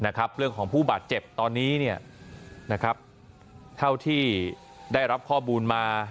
นะครับเรื่องของผู้บาดเจ็บตอนนี้เนี่ยนะครับเท่าที่ได้รับข้อมูลมา